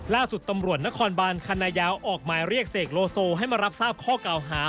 ล่าสุดตำรวจนครบานคันนายาวออกหมายเรียกเสกโลโซให้มารับทราบข้อเก่าหา